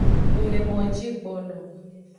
Ng le moji gbono.